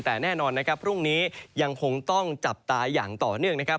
แต่แน่นอนนะครับพรุ่งนี้ยังคงต้องจับตาอย่างต่อเนื่องนะครับ